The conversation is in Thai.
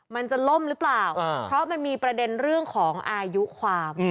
มันจะล่มหรือเปล่าเพราะมันมีประเด็นเรื่องของอายุความ